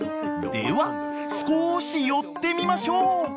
［では少し寄ってみましょう］